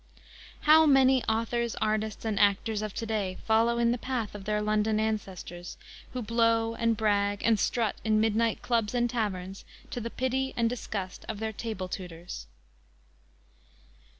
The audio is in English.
How many authors, artists and actors of to day follow in the path of their London ancestors who blow, and brag, and strut in midnight clubs and taverns to the pity and disgust of their table tooters.